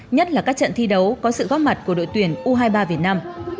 nhất là các trận thi đấu có sự góp mặt của đội tuyển u hai mươi ba việt nam